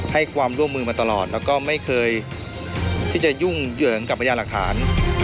ให้ความร่วมมือมาตลอดแล้วก็ไม่เคยที่จะยุ่งเหยิงกับพญาหลักฐาน